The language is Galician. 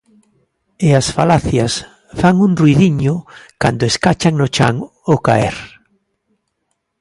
E as falacias fan un ruidiño cando escachan no chan ao caer.